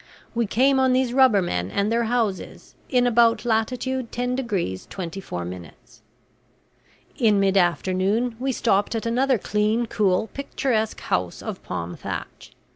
We came on these rubbermen and their houses in about latitude 10 degrees 24 minutes. In mid afternoon we stopped at another clean, cool, picturesque house of palm thatch.